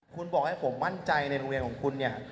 คุณบอกให้ผมมั่นใจในโรงเรียนของคุณเนี่ย